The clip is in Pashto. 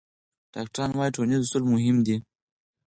ډاکټران وايي ټولنیز وصل مهم دی.